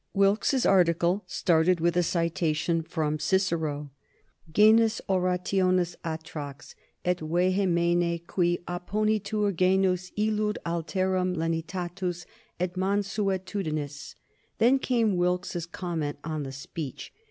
Wilkes's article started with a citation from Cicero: "Genus orationis atrox et vehemena, cui opponitur genus illud alterum lenitatis et mansuetudinis." Then came Wilkes's comment on the speech.